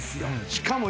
しかも。